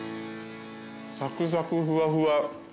サクサクふわふわ。